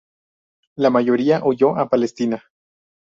La mayoría huyó a Palestina.